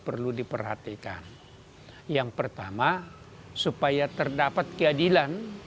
perlu diperhatikan yang pertama supaya terdapat keadilan